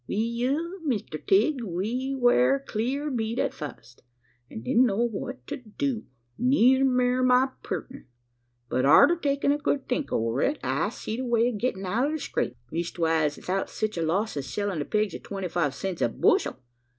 "We ell, Mister Tigg, we weer cleer beat at fust; an' didn't know what to do neyther me'r my pertner. But arter takin' a good think over it, I seed a way o' gitting out o' the scrape leestwise 'ithout sech a loss as sellin' the pegs at twenty five cents the bushel.